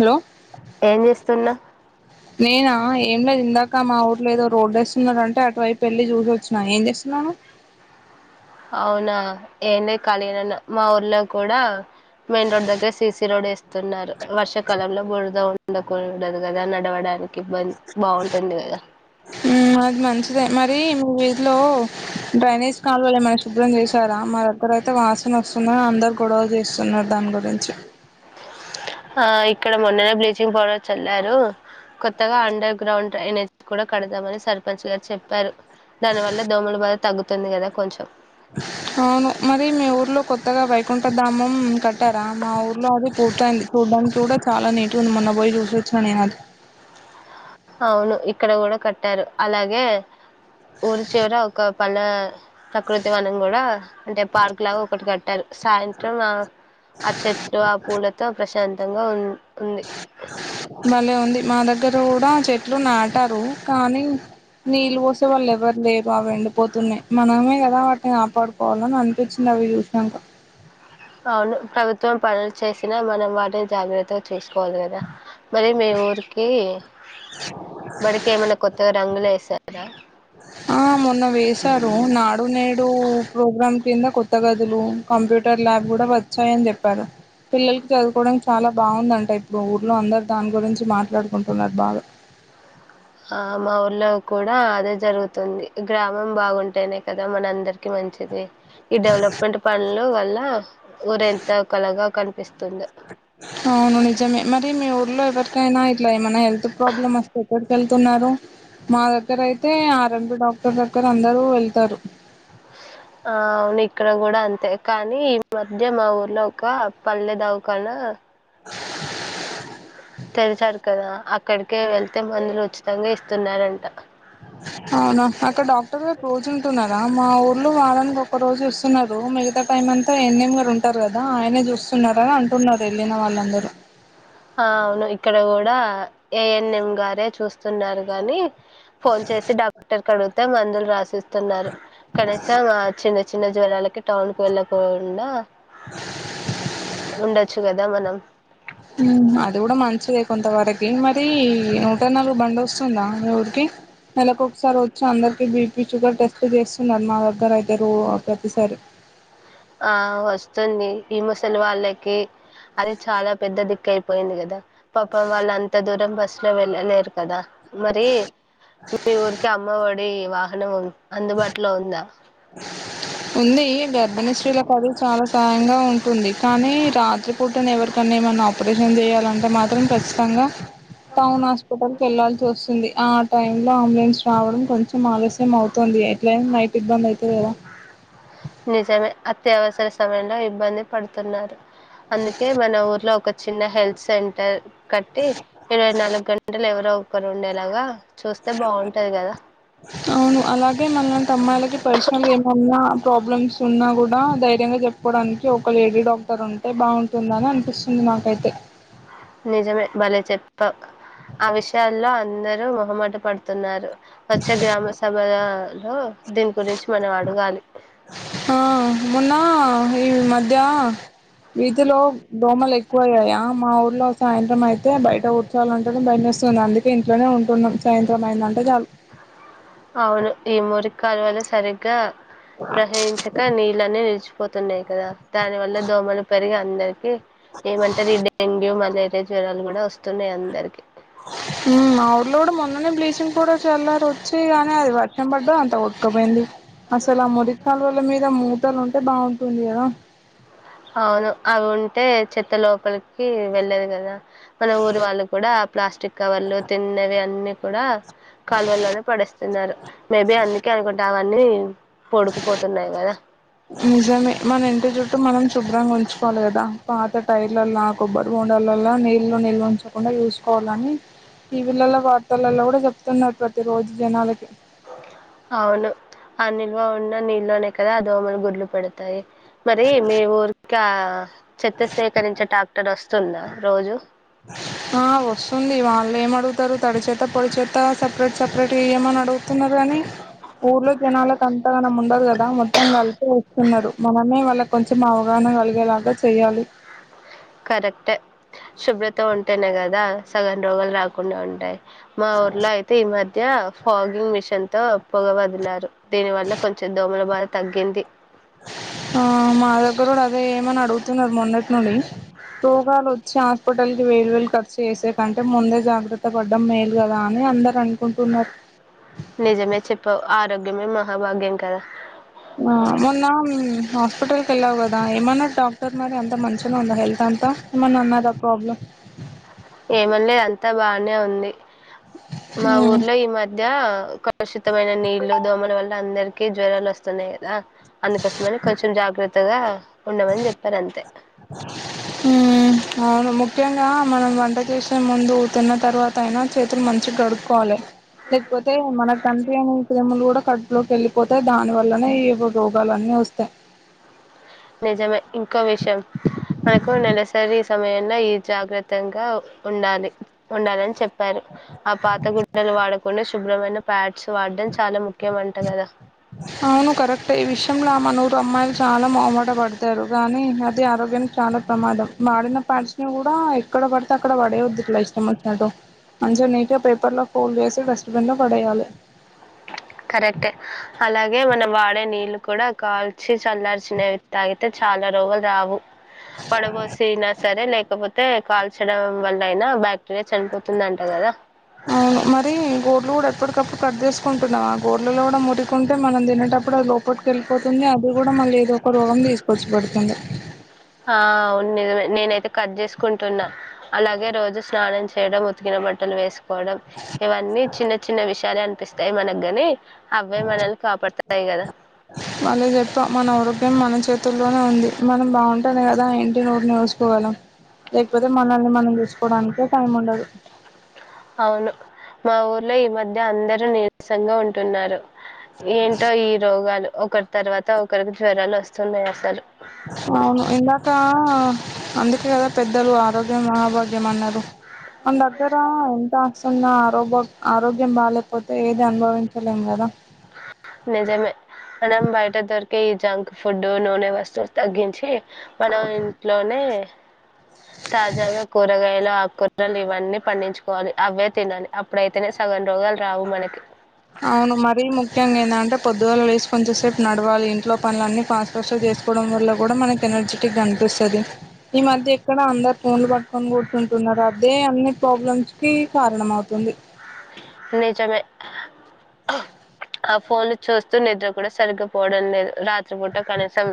Hello ఏం జేస్తున్నావ్ నేనా ఏం లేదు ఇందాక మా ఊర్లో ఏదో రోడ్డు ఎస్తున్నరంటే అటువైపు ఎళ్ళి చూసివచ్చిన ఏం జేస్తున్న నన అవునా ఎంలే కాలిగనే వున్నా మా ఊర్లో కూడా మెయి రోడ్ దగ్గర సిసి రోడ్ ఎ స్తున్నారు వర్షాకాలంలో బురద ఉండకూడదు కదా నడవడానికి ఇబ్బంది బావుంటుంది కదా ఇగ హ్మ్ అది మంచిదే మరి మీ వీధిలో డ్రైనేజ్ కాలువలు ఏమన్న శుభ్రం జేశారా మ దగ్గర అయితే వాసన వస్తుందని అందరు గొడవ చేస్తున్నారు దాని గురించి ఆ ఇక్కడ మొన్ననే బ్లీచింగ్ పౌడర్ చల్లారు కొత్తగా అండర్ గ్రౌండ్ డ్రైనెజ్ కూడా కడదామని సర్పంచ్ గారు చెప్పారు దాని వల్ల దోమల బాధ తగ్గుతుంది కదా కొంచెం అవును మరి మీ టారా మా ఊర్లో అది పూర్తయింది చూడ్డానికి గూడ చాలా నీటిగ ఉంది మొన్న పోయి చూసి వచ్చిన నే అది అవును ఇక్కడ కూడా కట్టారు అలాగే ఊరి చివర ఒక పళ ప్రకృతి వనం గూడా అంటే పార్క్ లాగా ఒకటి కట్టారు సాయంత్రం ఆ ఆ చెట్లు ఆ పూలతో ప్రశాం తంగ ఉంది భలే ఉంది మా దగ్గర కూడా చెట్లు నాటారు కానీ నీళ్ళు పోసే వాళ్ళు ఎవరు లేరు అవి ఎండిపోతున్నాయ్ మనమే కదా వాటిని కాపాడుకోవాలని అనిపించిన అవి జూసినంక ఆ అవును ప్రభుత్వం పనులు చేసినా మనం వాటిని జాగ్రత్తగ చూసుకోవాలి కదా మరి మీ ఊరికి బడికి ఏమన్నా కొత్తగా రంగులు ఎసారా ఆ మొన్న వేశారు నాడు నేడు ప్రోగ్రామ్ కింద కొత్త గదులు కంప్యూటర్ ల్యాబ్ కూడా వచ్చాయని చెప్పారు పిల్లలకి చదువుకోవడానికి చాలా బావుందంట ఇప్పుడు ఊర్లో అందరు దాని గురించి మాట్లాడుకుంటున్నారు బాగా ఆ మా ఊర్లో కూడా అదే జరుగుతుంది గ్రామం బాగుంటేనే కదా మనందరికి మంచిది ఈ డెవలప్మెంట్ పనులు వల్ల ఊరంతా కలగా క అవును నిజమే మరి మీ ఊర్లో ఎవరికైనా ఇట్లా ఏమైనా హెల్త్ ప్రాబ్లమ్ వస్తాయ్ కద వెళ్తున్నారు మా దగ్గర అయితే ఆ రెండు డాక్టర్ దగ్గర అందరూ వెళ్తారు అవునే ఇక్కడ కూడా అంతే కానీ ఈ మధ్య మా ఊర్లో ఒక పల్లె దవకాన తెరిచారు కదా అక్కడికే వెళ్తే మందులు ఉచితంగా ఇస్తున్నారంట అవునా అక్కడ డాక్టర్ గారు రోజు ఉంటున్నారా మా ఊ ర్లో వారానికి ఒక రోజు వస్తున్నారు మిగతా టైమ్ అంతా ఎన్ఎం గారు ఉంటారు కదా ఆయనే జూస్ స్సున్నారని అంటున్నారు వెళ్ళిన వాళ్ళందరూ ఆ అవును ఇక్కడ కూడా ఏఎన్ఎం గారే చూస్ న్నారు గాని ఫోన్ చేసి డాక్టర్ కి అడిగితే మందులు రాసిస్ తున్నారు కనీసం చిన్న చిన్న జ్వరాలకి టౌన్ కి వెళ్ళకోకుండా ఉండొచ్చు కదా మనం అది కూడా మంచిదే కొంత వరకి మరి నూట నాలుగు బండి వస్తుందా మీ ఊరికి నెలకి ఒకసారి వచ్చా అందరు బీపీ షుగర్ టెస్టులు చేస్తున్నారు మా దగ్గర అయితే రో ప్రతిసారి ఆ వస్తుంది ఈ ముసలి వాళ్ళకి అది చాలా పెద్ద దిక్కు అయిపోయింది కదా పాపం వాళ్ళ అంత దూరం బస్ లో వెళ్ళలేరు కదా మరి మీ ఊరికే అమ్మఓడి వాహనం అందుబాటులో ఉందా ఉంది గర్భిణీ స్త్రీలా అది చాలా సహాయం యంగా ఉంటుంది కానీ రాత్రిపూటన ఎవరికన్నా ఏమన్నా ఆపరేషన్ చేయాలంటే మాత్రం ఖచ్చితంగా టౌన్ హాస్పిటల్ కి వెళ్లాల్సి వస్తుంది ఆ టైం లో అంబులెన్స్ రావడం కొంచెం ఆలస్యం అవు తోంది ఎట్లయిన నైట్ ఇబ్బంది అయితది కదా నిజమే అత్యవసర సమయంలో ఇబ్బంది పడుతున్నారు అందుకే మన ఊర్లో ఒక చిన్న హెల్త్ సెంటర్ కట్టి ఇరవై నాలుగు గంటలు ఎవరో ఒకరు ఉండేలాగా చూస్తే బాగుంటది కదా అవును అలాగే మనలాంటి అమ్మాయిలకి పర్సనల్గా ఏమన్నా ప్రాబ్లమ్స్ ఉన్నా కూడా ధైర్యంగా చెప్పుకోవడానికి ఒక లేడీ డాక్టర్ ఉంటే బాగుంటుందని అనిపిస్తుంది నాక్ అయితే నిజమే బలే చెప్పావ్ ఆ విషయాల్లో అందరూ మొహమాట పడుతున్నారు వచ్చే గ్రామ సభల లో దీని గురించి మనం అడగాలి ఆ మొన్న ఈ మధ్య వీదిలో దోమలు ఎక్కువ అయ్యాయా మా ఊ ఇలో సాయంత్రం అయితే బయట కూర్చోలంటేనే భయం ఎస్తుంది అందుకే ఇంట్లోనే ఉంటున్నాం సాయంత్రం అయింది అంటే చాలు అ అవును ఈ మురి కాలవలు సరిగ్గా ప్రహయించక నీళ్ళని అన్ని నిల్చ్ తున్నాయి కదా దాని వల్ల దోమలు పెరిగి అందరికి ఏమంటారు ఈ డెంగ్యూ మలేర్ తే జ్వరాలు కూడా వస్తున్నాయి అందరికి హ్మ్ మా ఊరిలో కూడా మొన్న నే బ్లీచింగ్ కూడా చల్లరు వచ్చి గాని అది వర్షం పడ్డా అంత కొట్కాపోయింది అసలు ఆ మురి కాలువల మీద మూతలు ఉంటే బాగుంటుంది కదా అవును అవి ఉంటే చెత్త లోపలికి వెళ్ళదు కదా మన ఊరు వాళ్ళు కూడా ప్లాస్టిక్ కవర్లు తిన్నవి అన్ని కూడా కాలువలోనే పడిస్తున్నారు మేబి అందుకే అనుకుంటా అవన్నీ పొడుకుపోతున్నాయి గదా! నిజమే మన ఇంటి చుట్టూ మనం శుభ్రంగా ఉంచుకోవాలి కదా పాత టైర్లలా కొబ్బరి బొండలల్లో నీళ్లు నిలవా ఉంచకుండా చూసుకో పోలని టీవీలలో వార్తలలో కూడా చెప్తున్నారు ప్రతి రోజు జనాలకి అవును ఆ నిల్వ ఉన్న నీళ్ళనే కదా అదోమ్మలు గుడ్లు పెడతాయి మరి మీ ఊరికా చెత్త సేకరించే ట్రాక్టర్ వస్తుందా రోజు ఆ వస్తుంది వాళ్ళు ఏం అడుగుతారు తడి చేతా పొడి చేతా సపరేట్ సప్ సెపరేట్ ఇయమని అడుగుతున్నారు కానీ ఊర్లో జనాలకు అంతగానం ఉండదు కదా మొత్తం కలిపి ఉప్తున్నారు మనమే వాళ్ళకి కొంచెం అవగా [unintelligible] కలిగేలాగా చెయ్యాలి అ కరెక్ట్ ఎ శుభ్రత ఉంటేనే కదా సగ్గం రోగాలు రాకుండా ఉంటాయి మా ఊర్లో అయితే ఈ మధ్య ఫాగ్గింగ్ మిషన్ తో పొగ వదిలారు దీని వల్ల కొంచెం దోమల బాధ తగ్గింది ఆ దెగ్గర కూడా అదే ఏమని అడుగు చెప్తున్నారు మొన్నట్ నుండి రోగాలు వచ్చా రోగాలు వేలు వేలు ఖర్చు చేసే కంటే ముందే జాగ్రత్త పడ్డం మేలు కదా అని అందరం నిజమే చెప్పవు ఆరోగ్యమే మహాభాగ్యం కదా ఆ మొన్న హాస్పిటల్కి వెళ్లావు కదా ఏం అన్నడు డాక్టర్ మరి అంత మంచిగానే ఉందా హెల్త్ అ అంతా ఏమన్నా అన్నారా ప్రాబ్లం అ [unintelligible] అంత బానే ఉంది మా ఉమ్ ఊర్లో ఈ మధ్య కలుషితమైన నీళ్లు దోమల వల్ల అందరికీ జ్వరాలు వస్తున్నాయి కదా అందుకోసమనే కొంచెం జాగ్రత్తగా ఉండమాని చెప్పారు అంతే ఉమ్ అవును ముఖ్యంగా మనం వంట చేసే ముందు తిన్న తర్వాత అయినా చేతులు మంచిగా గడుక్కోవాలే లేకపోతే మన కనిపియ్యని క్రిములు కూడా కడుపులోకి వెళ్ళిపోతాయి దాని వల్లనే ఈ రోగాలన్నీ వస్తాయి నిజమే ఇంకో విషయం మనకు నెలసరి సమయంలో ఈ జాగ్రత్తగా ఉ డాలి ఉండాలని చెప్పారు ఆ పాత గుడ్డలు వాడకుండా శుభ్రమైన ప్యాట్స్ వాడం చాలా ముఖ్యమంట కదా అవును కరెక్టే ఈ విషయంలో మన ఊరు అమ్మాయిలు చాలా మొహమాట పడతారు గానీ అది ఆరోగ్యం చాలా ప్రమాదం వాడిన పాడ్స్ని కూడా ఎక్కడ పడితే అక్కడ వాడేయవద్దు ఇట్లా ఇష్టం వచ్చినట్టు మంచిగా నీట్గా పేపర్లో ఫోల్డ్ చేేసి డస్ట్బిన్లో పడేయాలి కరెక్టే అలాగే మనం వాడే నీళ్లు కూడా కాల్చి చల్లాల్సినవి తాగితే చాలా రోగాలు రావు వడబోసిన సరే లేకపోతే కాల్చడం వల్ల అయినా బ్యాక్ అవును మరి గోర్లు కూడా ఎప్పటికప్పుడు కట్ చేసుకుంటున్నావా గోర్లలో కూడా మురికుంటే మనం తినేటప్పుడు అది లోపటికి వెళ్ళిపోతుంది అది కూడా మళ్ళీ ఏదో ఒక రోగం తీసుకు వచ్చి పెడుతుంది ఆ అవును నిజమే నేనైతే కట్ చేసుకుంటున్నా అలాగే రోజు స్నానం చేయడం ఉతికిన బట్టలు వేసుకోవడం ఇవన్నీ చిన్న చిన్న విషయాలు అ పిస్తాయి మనకు గని భలే చెప్పావు మన ఆరోగ్యం మన చే చేతుల్లోనే ఉంది మనం బాగుంటేనే కదా కదా ఇంటి నోరునోచుకోగలం లేకపోతే మనల్ని మనం చూసుకోవడానికే టైం ఉండదు అవును మా ఊర్లో ఈ మధ్య అందరూ నీరసంగా ఉంటున్నారు ఏంటో ఈ రోగాలు ఒకరి తర్వాత ఒకరికి జ్వరాలు వస్తున్నాయి అసలు అవును ఇందాక అందుకే కదా పెద్దలు ఆరోగ్యం మహాభాగ్యం అన్నారు మన దగ్గర ఎంత సున్న ఆరో ఆరోగ్యం బాలేకపోతే ఏది అనుభవించలేం కదా నిజమే మనం బయట దొరికే ఈ జంక్ ఫుడ్ నూనె వస్తువులు తగ్గించి మన ఇంట్లోనే తాజాగా కూరగాయలు ఆకూరలు ఇవన్నీ పండించుకోవాలి అవే తినాలి అప్పుడైతేనే రోగాలు రావు మనకి అవును మరీ ముఖ్యంగా ఏందంటే పొద్దుగాళ్ళ లేసి కొంచెంసేపు నడవాలి ఇంట్లో పనుల అన్ని ఫాస్ట్ ఫాస్ట్ గా చే కోవడం వల్ల కూడా మనకి ఎనర్జిటిక్ గా అనిపిస్తది ఈ మధ్య ఎక్కడ అందరు ఫోన్లు పట్టుకొని కూర్చు న్నారు అదే అన్ని ప్రాబ్లమ్స్ కి కారణం అవుతుంది నిజమే ఆ ఫోన్లు చూస్తూ నిద్ర కూడా సరిగ్గా పోవడం లేదు రా పూట కనీసం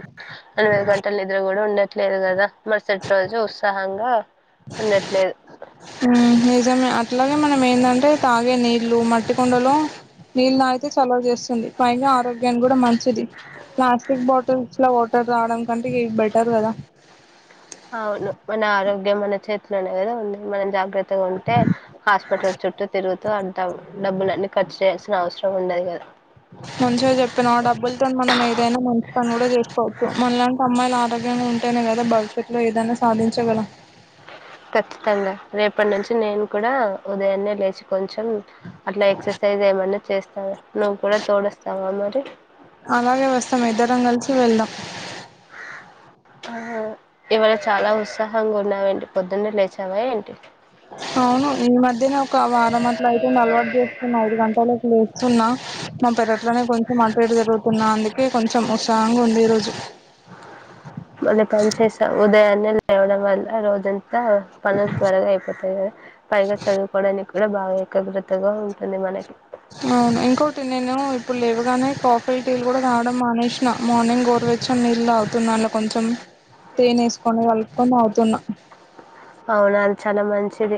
ఎనిమిది గంటల నిద్ర కూడా ఉండ లేదు కదా మరుసటి రోజు ఉత్సాహంగా ఉండట్లేదు నిజమే అట్లాగే మనం ఏంటంటే తాగే నీళ్లు మట్టి కుండలో నీళ్ళు తాగితే చెలవ చేస్తుంది పైగా ఆరోగ్యాన్ని కూడా మంచిది ప్లాస్టిక్ బాటిల్స్ లో వా టర్ తాగడం కంటే ఇగా బెటర్ కదా అవును మన ఆరోగ్యం మన చేతిలోనే కదా ఉంది మనం జాగ్ర గ్రత్తగా ఉంటే హాస్పిటల్ చుట్టూ తిరుగుతూ డబ్బులన్నీ ఖర్చు చేయాల్సిన అవసరం ఉండదుగా [inaudible] మంచిగా చెప్పినా ఆ డబ్బులతో మనం ఏదైనా మంచి పని కూడా చేసుకోవచ్చు మనలాంటి అమ్మాయిలు ఆగ ఉంటేనే కదా భవిష్యత్ లో ఏదైనా సాధించగలం ఖచ్చితంగా రేపటి నుంచి నేను కూడా ఉదయాన్నే లేచి కొంచెం అట్లా ఎక్సర్సైజ్ ఏమన్నా చేస్తావ నువ్వు కూడా తోడు వస్తావా మరి అలాగే వస్తాం ఇద్దరం కలిసి వెళ్ళ ఇవాళ చాలా ఉత్సాహంగా ఉన్నావు ఏంటి పొద్దున్నే లేచావా ఏంటి అవును ఈ మధ్యనే ఒక వారం అట్ల అయితే అలవాటు చేసుకున్న ఐదు గంటల కి లేస్తున్న మా పెరట్లోనే కొంచెం అటు ఇటు తిరుగుతున్న అందుకే కొంచెం ఉత్సాహంగా ఉంది ఈ రోజు మన పని చేసావ్ ఉదయాన్నే లేవ్వడం వల్ల రోజం తా పనుల త్వరగా అయిపోతాయి కదా పైగా చదువుకోవడానికి కూడా బాగా ఏకాగ్రతగా ఉంటుంది మనకి అవును ఇంకోటి నేను ఇప్పుడు లేవుగానే కాఫీ టీలు కూడా తాగడం మానేసిన మార్నింగ్ గోరు వెచ్చని నీళ్ళు తాగుతున్నాను అందులో కొంచెం తేనె ఏసుకొని కలుపుకొని తావుతున్నా అవును అది చాలా మంచిది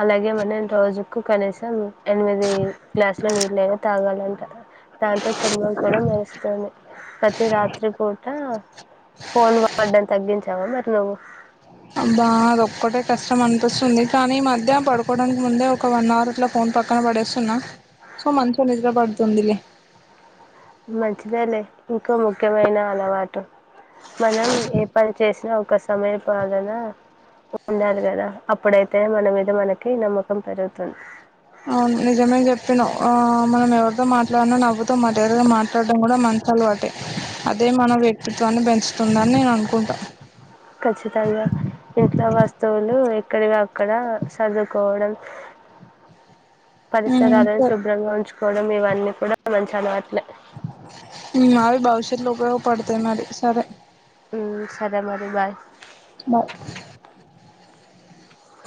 అలాగే మనం రోజుకు కనీసం ఎనిమిది గ్లాసుల నీళ్ళైనా తాగాలంటా దాంతో చర్మం కూడా మెరుస్తుంది ప్రతి రాత్రి పూట ఫోన్ వాడం తగ్గించావా మరి నువ్వు బా అద ఒక్కటే కష్టం అనిపిస్తుంది కానీ మధ్య పడుకోవడానికి ముందే ఒక వన్ అవర్ అట్లా ఫోన్ పక్కన పడేస్తున్నా సో మంచగా నిద్ర పడుతుందిలే మంచిదే లే ఇంకో ముఖ్యమైన అలవాటు మనం ఏ పని చేసినా ఒక సమయపాలన ఉండాలి కదా అప్పుడైతే మన మీద మనకి నమ్మకం పెరుగుతుంది అవును నిజమే చెప్పినవ్ ఆ మనం ఎవరితో మాట్లాడిన నవ్వుతో మర్యాదగా మాట్లాడడం కూడా మంచి చి అలవాటే అదే మన వ్యక్తిత్వాన్ని పెంచు ఖచ్చితంగా ఇంట్లో వస్తు స్తువులు ఎక్కడివి అక్కడ సదురుకోవడం ఉమ్ పరిసరాలను సరే శుభ్రంగా ఉంచుకోవడం ఇవన్నీ కూడా మంచి అలవాట్లే మావి భవిష్యత్ లో ఉపయోగపడతాయి మరి సరే సరే మరి బాయ్ బాయ్.